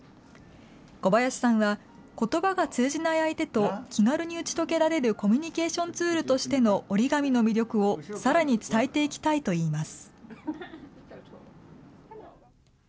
小林さんは、ことばが通じない相手と気軽に打ち解けられるコミュニケーションツールとしての折り紙の魅力をさらに伝えていきたいと言います。